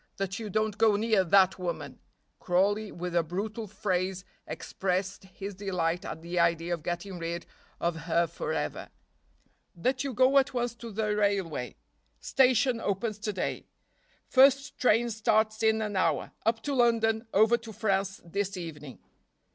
That you don't go near that woman " Crawley, with a brutal phrase, expressed his delight at the idea of getting rid of her forever. "That you go at once to the railway. Station opens to day. First train starts in an hour. Up to London, over to France this evening."